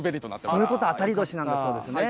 そういうこと、当たり年なんだそうですね。